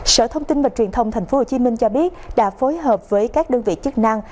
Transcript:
sở thông tin và truyền thông tp hcm cho biết đã phối hợp với các đơn vị chức năng